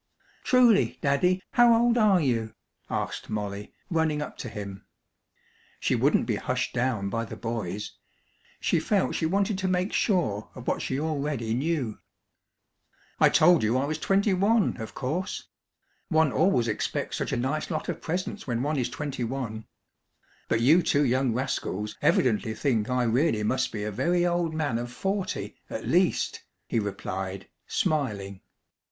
"Truly, Daddy, how old are you?" asked Molly, running up to him. She wouldn't be hushed down by the boys. She felt she wanted to make sure of what she already knew. "I told you I was twenty one, of course! One always expects such a nice lot of presents when one is twenty one! But you two young rascals evidently think I really must be a very old man of forty at least!" he replied, smiling.